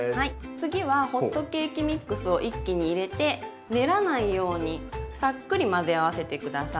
次はホットケーキミックスを一気に入れて練らないようにさっくり混ぜ合わせて下さい。